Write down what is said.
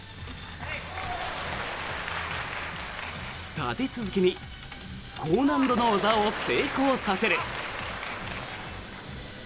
立て続けに高難度の技を成功させる。